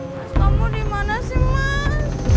mas kamu di mana sih mas